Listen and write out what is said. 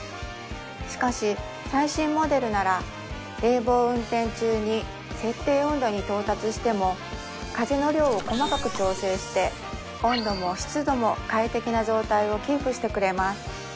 しかし最新モデルなら冷房運転中に設定温度に到達しても風の量を細かく調整して温度も湿度も快適な状態をキープしてくれます